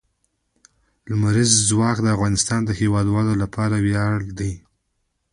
لمریز ځواک د افغانستان د هیوادوالو لپاره ویاړ دی.